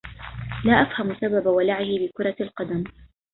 لا أفهم سبب ولعه بكرة القدم.